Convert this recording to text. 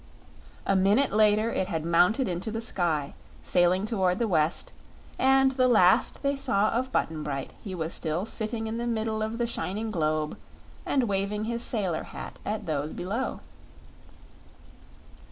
A minute later it had mounted into the sky, sailing toward the west, and the last they saw of Button Bright he was still sitting in the middle of the shining globe and waving his sailor hat at those below.